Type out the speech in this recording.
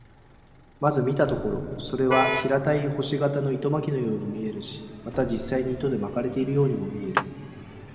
まず見たところ、それは平たい星形の糸巻のように見えるし、また実際に糸で巻かれているようにも見える。